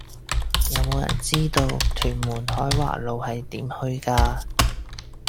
有無人知道屯門海華路係點去㗎